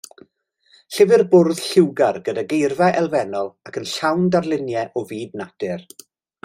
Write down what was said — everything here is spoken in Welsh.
Llyfr bwrdd lliwgar gyda geirfa elfennol ac yn llawn darluniau o fyd natur.